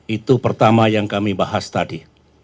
itu pertama yang kami bahas tadi